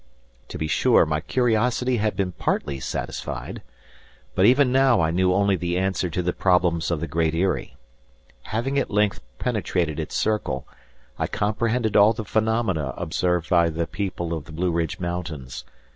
To be sure, my curiosity had been partly satisfied. But even now I knew only the answer to the problems of the Great Eyrie. Having at length penetrated its circle, I comprehended all the phenomena observed by the people of the Blueridge Mountains.